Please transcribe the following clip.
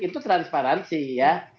itu transparansi ya